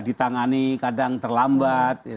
ditangani kadang terlambat